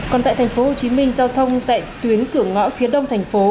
còn tại thành phố hồ chí minh giao thông tại tuyến cửa ngõ phía đông thành phố